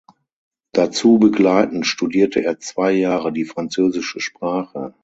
Dazu begleitend studierte er zwei Jahre die französische Sprache.